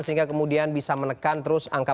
sehingga kemudian bisa menekan terus angka